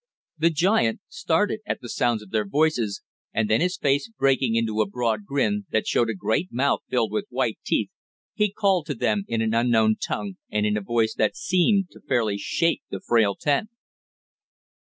The giant started at the sounds of their voices, and then his face breaking into a broad grin, that showed a great mouth filled with white teeth, he called to them in an unknown tongue and in a voice that seemed to fairly shake the frail tent.